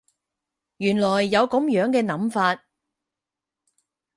原來有噉樣嘅諗法